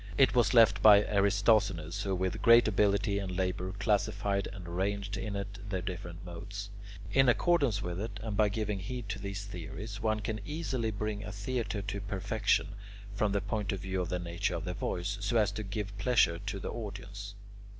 It was left by Aristoxenus, who with great ability and labour classified and arranged in it the different modes. In accordance with it, and by giving heed to these theories, one can easily bring a theatre to perfection, from the point of view of the nature of the voice, so as to give pleasure to the audience.